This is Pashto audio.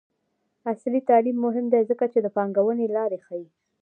عصري تعلیم مهم دی ځکه چې د پانګونې لارې ښيي.